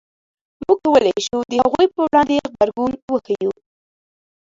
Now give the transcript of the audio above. موږ کولای شو د هغوی په وړاندې غبرګون وښیو.